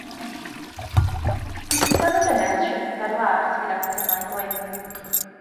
Gwisgodd y ddynes siwmper las gyda botymau gwyn.